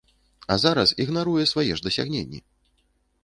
А зараз ігнаруе свае ж дасягненні!